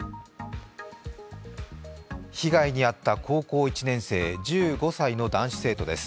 被害に遭った高校１年生、１５歳の男子生徒です。